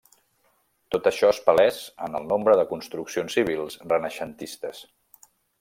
Tot això és palès en el nombre de construccions civils renaixentistes.